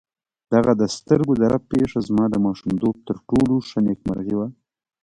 دغه د سترګو د رپ پېښه زما د ماشومتوب تر ټولو ښه نېکمرغي وه.